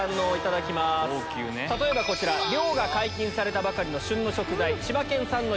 例えばこちら漁が解禁されたばかりの旬の食材。